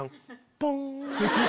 ポン。